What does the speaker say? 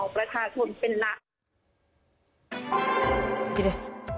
次です。